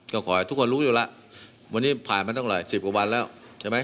ก็ขอให้ทุกคนรู้อยู่แล้ววันนี้ผ่านมาตั้งหลายสิบกว่าวันแล้วใช่ไหม